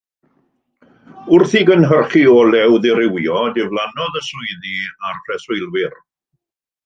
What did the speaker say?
Wrth i gynhyrchu olew ddirywio, diflannodd y swyddi a'r preswylwyr.